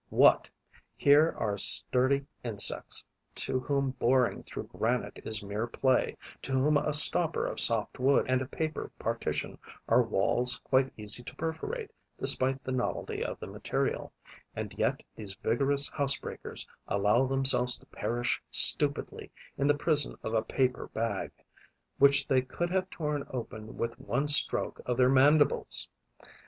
What! Here are sturdy insects, to whom boring through granite is mere play, to whom a stopper of soft wood and a paper partition are walls quite easy to perforate despite the novelty of the material; and yet these vigorous housebreakers allow themselves to perish stupidly in the prison of a paper bag, which they could have torn open with one stroke of their mandibles!